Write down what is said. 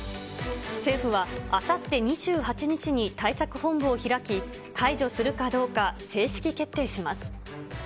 政府はあさって２８日に対策本部を開き、解除するかどうか、正式決定します。